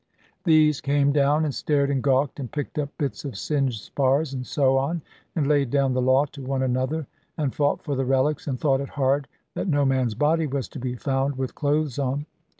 These came down, and stared and gawked, and picked up bits of singed spars, and so on, and laid down the law to one another, and fought for the relics, and thought it hard that no man's body was to be found with clothes on.